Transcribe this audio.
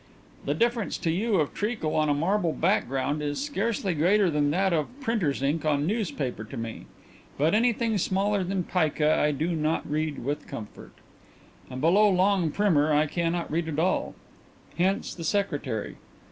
"The difference to you of treacle on a marble background is scarcely greater than that of printers' ink on newspaper to me. But anything smaller than pica I do not read with comfort, and below long primer I cannot read at all. Hence the secretary.